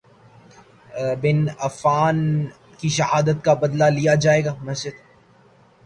بن عفان کی شہادت کا بدلہ لیا جائے گا مسجد